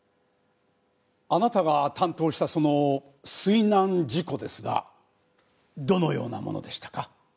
あなたが担当したその水難事故ですがどのようなものでしたか？